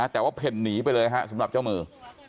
แต่ว่าเพ่นหนีไปเลยฮะสำหรับเจ้ามือ